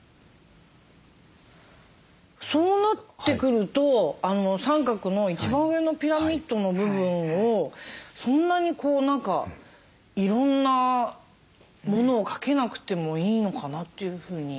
そうなってくると三角の一番上のピラミッドの部分をそんなにいろんなものをかけなくてもいいのかなというふうに思いました。